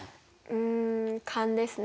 うん勘ですね。